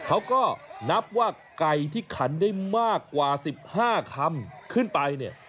เขาก็นับว่าไก่ที่ขันได้มากกว่า๑๕คำขึ้นไปเนี่ย